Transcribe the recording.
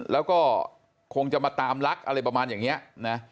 แล้วก็คงจะมาตามรักอะไรประมาณอย่างนี้นะ